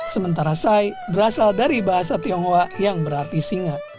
sementara sai berasal dari bahasa tionghoa yang berarti singa